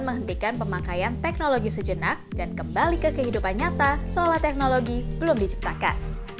dan menghentikan pemakaian teknologi sejenak dan kembali ke kehidupan nyata seolah teknologi belum diciptakan